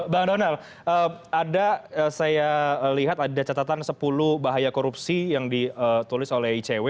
bang donal ada saya lihat ada catatan sepuluh bahaya korupsi yang ditulis oleh icw